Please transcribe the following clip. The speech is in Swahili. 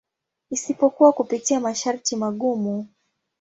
Isipokuwa kupitia masharti magumu.